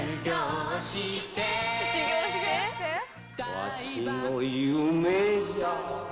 わしの夢じゃ。